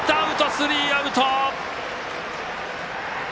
スリーアウト！